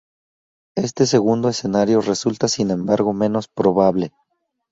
Este segundo escenario resulta sin embargo menos probable.